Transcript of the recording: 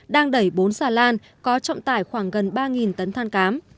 đang đẩy bốn xà lan có trọng tải khoảng gần ba tấn than cám